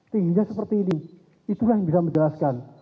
tingginya seperti ini itulah yang bisa menjelaskan